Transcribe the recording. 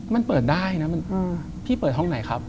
มันเปิดได้นะพี่เปิดห้องไหนครับ